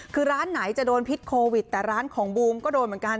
คือร้านไหนจะโดนพิษโควิดแต่ร้านของบูมก็โดนเหมือนกัน